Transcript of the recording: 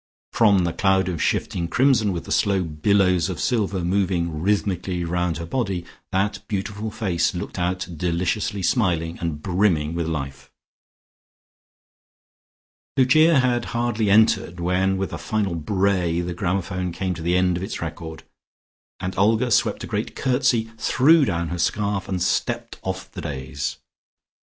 From the cloud of shifting crimson, with the slow billows of silver moving rhythmically round her body, that beautiful face looked out deliciously smiling and brimming with life.... Lucia had hardly entered when with a final bray the gramophone came to the end of its record, and Olga swept a great curtsey, threw down her scarf, and stepped off the dais.